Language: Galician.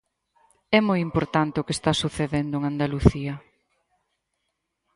É moi importante o que está sucedendo en Andalucía.